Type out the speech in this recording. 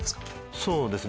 そうですね